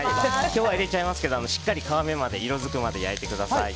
今日は入れちゃいますけどしっかり皮目が色づくまで焼いてください。